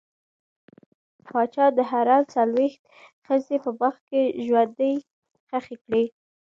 پاچا د حرم څلوېښت ښځې په باغ کې ژوندۍ ښخې کړې.